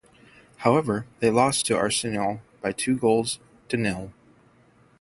However, they lost to Arsenal by two goals to nil.